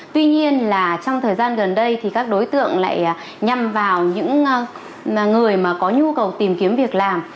tuy nhiên là trong thời gian gần đây thì các đối tượng lại nhằm vào những người mà có nhu cầu tìm kiếm việc làm